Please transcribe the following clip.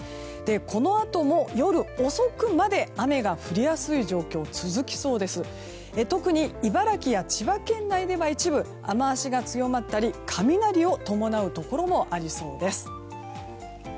このあとも夜遅くまで雨が降りやすい状況が続きそうで特に茨城や千葉県内では一部で雨脚が強まったり雷を伴うところもありそうです。